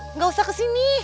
engga usah ke sini